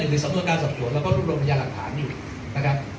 อยู่ในสำเรือการสับสนแล้วก็รูปรวงพยาหลักฐานอยู่นะครับ